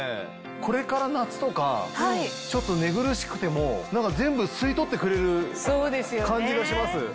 これから夏とかちょっと寝苦しくても全部吸い取ってくれる感じがします。